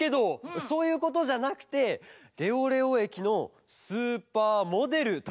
そういうことじゃなくて「レオレオえきのスーパーモデル」とかさ。